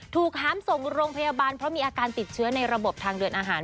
หามส่งโรงพยาบาลเพราะมีอาการติดเชื้อในระบบทางเดินอาหาร